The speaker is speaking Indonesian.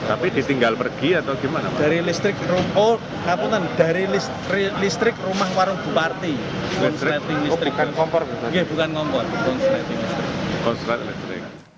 api yang terbakar di kota solo jawa tengah terbakar